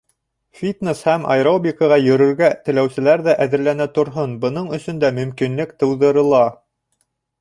Фитнес һәм аэробикаға йөрөргә теләүселәр ҙә әҙерләнә торһон, бының өсөн дә мөмкинлек тыуҙырыла.